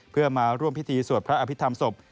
เพื่อมาร่วมพิธีสวดพระอภิษฐรรมศพ